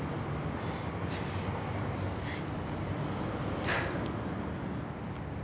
はい。